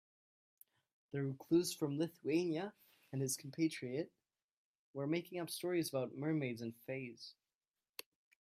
The recluse from Lithuania and his compatriot were making up stories about mermaids and fays.